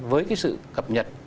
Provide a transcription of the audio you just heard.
với cái sự cập nhật